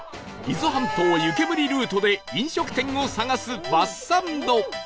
伊豆半島湯けむりルートで飲食店を探すバスサンド